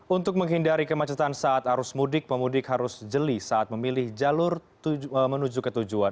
untuk menghindari kemacetan saat arus mudik pemudik harus jeli saat memilih jalur menuju ke tujuan